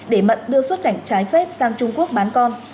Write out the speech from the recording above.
để mận đưa xuất cảnh trái phép sang trung quốc bán con